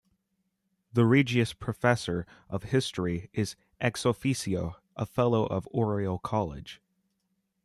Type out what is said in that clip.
The Regius Professor of History is "ex officio" a Fellow of Oriel College.